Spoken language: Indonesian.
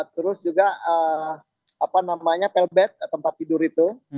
terus juga apa namanya pelbet tempat tidur itu